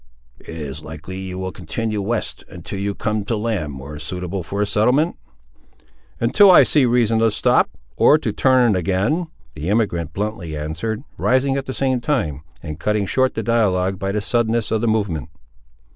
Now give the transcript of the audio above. "It is likely you will continue west, until you come to land more suitable for a settlement?" "Until I see reason to stop, or to turn ag'in," the emigrant bluntly answered, rising at the same time, and cutting short the dialogue by the suddenness of the movement.